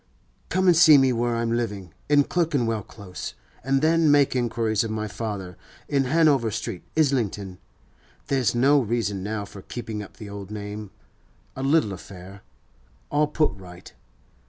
'Come and see me where I'm living, in Clerkenwell Close, and then make inquiries of my father, in Hanover Street, Islington. There's no reason now for keeping up the old name—a little affair—all put right.